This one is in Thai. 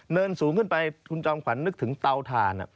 สูงขึ้นไปคุณจอมขวัญนึกถึงเตาถ่าน